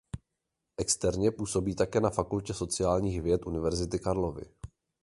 Externě působí také na Fakultě sociálních věd Univerzity Karlovy.